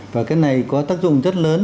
và cái này có tác dụng rất lớn